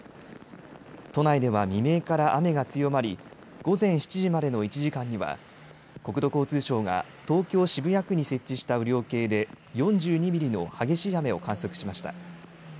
都内では未明から雨が強まり、午前７時までの１時間には国土交通省が東京渋谷区に設置した雨量計で４２ミリの激しい雨を観測しました。